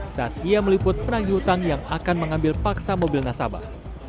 saat ia meliput penagih hutang yang akan mengambil paksa mobil nasabah